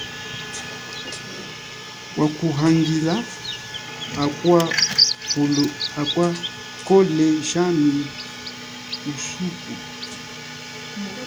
Wakuhangila akwa khole jami kusuku.